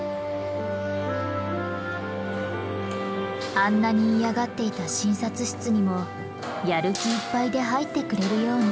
あんなに嫌がっていた診察室にもやる気いっぱいで入ってくれるように。